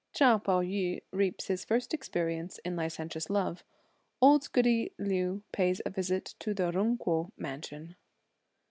Chia Pao yü reaps his first experience in licentious love. Old Goody Liu pays a visit to the Jung Kuo Mansion.